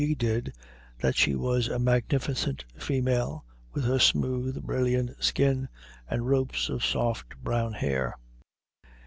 G. did, that she was a "magnificent female," with her smooth, brilliant skin and ropes of soft brown hair.